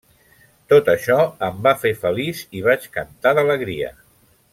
Tot això em va fer feliç i vaig cantar d'alegria.